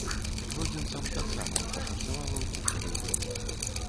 Жодзінцам таксама не пашанцавала ў кубкавай гульні.